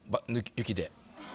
雪で。